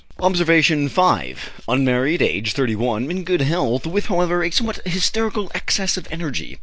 OBSERVATION V. Unmarried, aged 31, in good health, with, however, a somewhat hysterical excess of energy.